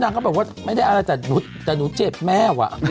ก็บอกว่าไม่ได้อะไรจัดแต่หนูเจ็บแม่ว่ะ